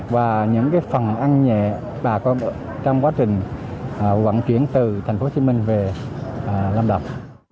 và những cái phần ăn nhẹ bà con trong quá trình quản chuyển từ thành phố hồ chí minh về lâm đồng